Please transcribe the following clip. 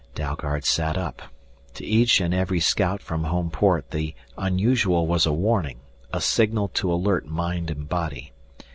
Dalgard sat up. To each and every scout from Homeport the unusual was a warning, a signal to alert mind and body.